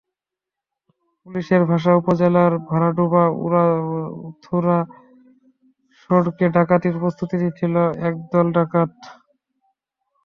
পুলিশের ভাষ্য, উপজেলার ভরাডোবা উথুরা সড়কে ডাকাতির প্রস্তুতি নিচ্ছিল একদল ডাকাত।